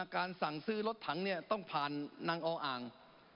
การสั่งซื้อรถถังต้องผ่านนางออ่าง